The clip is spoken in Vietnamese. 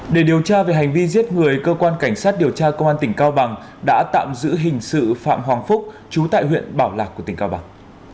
để điều tra về hành vi giết người cơ quan cảnh sát điều tra công an tỉnh cao bằng đã tạm giữ hình sự phạm hoàng phúc chú tại huyện bảo lạc của tỉnh cao bằng